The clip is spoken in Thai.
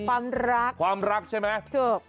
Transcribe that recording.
ความรักความรักใช่ไหมจบ